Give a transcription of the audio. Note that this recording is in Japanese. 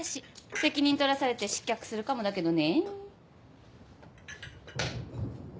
責任取らされて失脚するかもだけどね。